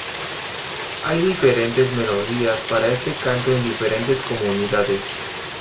Hay diferentes melodías para este canto en diferentes comunidades.